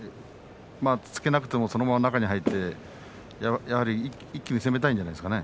突けなくてもそのまま中に入ってやはり一気に攻めたいんじゃないですか？